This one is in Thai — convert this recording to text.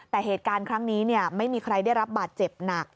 แต่เหตุการณ์ครั้งนี้ไม่มีใครได้รับบาดเจ็บหนัก